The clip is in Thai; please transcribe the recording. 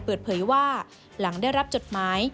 เปิดเผยว่าหลังได้รับจดหมาย